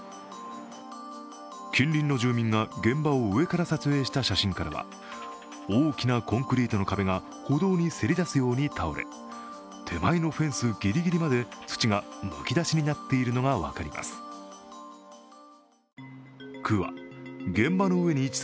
近隣の住民が現場を上から撮影した写真には大きなコンクリートの壁が歩道にせり出すように倒れ手前のフェンスぎりぎりまで土がむき出しになっているのが分かります。